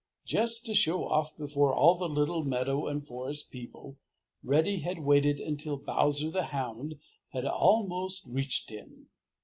Just to show off before all the little meadow and forest people, Reddy had waited until Bowser the Hound had almost reached him.